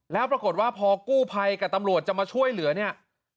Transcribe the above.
แล้วปรากฏว่าพอกู้ภัยกับตำรวจจะมาช่วยเหลือเนี่ย